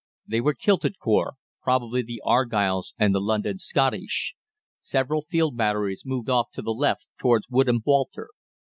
They were kilted corps, probably the Argylls and the London Scottish. Several field batteries moved off to the left towards Woodham Walter.